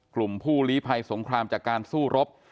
ผู้ลีภัยสงครามจากการสู้รบ